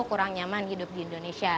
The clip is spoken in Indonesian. kurang nyaman hidup di indonesia